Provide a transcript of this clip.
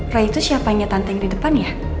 roy itu siapanya tante yang di depan ya